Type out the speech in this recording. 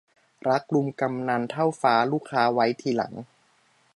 รักลุงกำนันเท่าฟ้า ลูกค้าไว้ทีหลัง